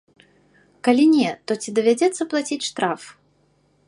Калі не, то ці давядзецца плаціць штраф?